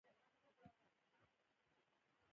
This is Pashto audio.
تاسې هم ځان ته تلقين وکړئ او خپل لاشعور تېر باسئ.